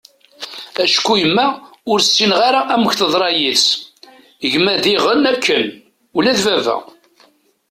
acku yemma ur ssineγ amek teḍṛa yid-s, gma diγen akken, ula d baba